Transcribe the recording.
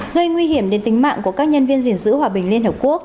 gây nguy hiểm đến tính mạng của các nhân viên diện giữ hòa bình